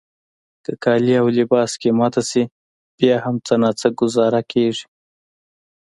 که کالي او لباس قیمته شي بیا هم څه ناڅه ګوزاره کیږي.